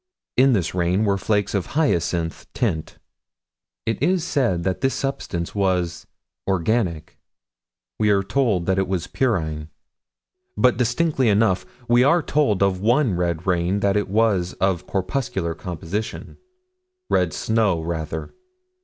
In this rain were flakes of a hyacinthine tint. It is said that this substance was organic: we are told that it was pyrrhine. But distinctly enough, we are told of one red rain that it was of corpuscular composition red snow, rather.